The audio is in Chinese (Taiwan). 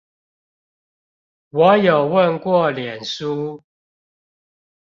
我有問過臉書